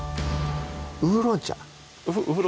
ウーロン茶？